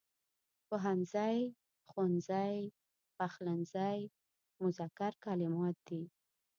پوهنځی، ښوونځی، پخلنځی مذکر کلمات دي.